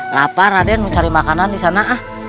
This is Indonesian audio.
lapa raden mau cari makanan disana